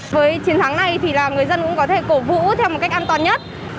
với chiến thắng này thì là người dân cũng có thể cổ vũ theo một cách an toàn nhất